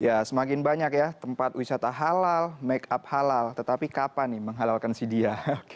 ya semakin banyak ya tempat wisata halal make up halal tetapi kapan nih menghalalkan si dia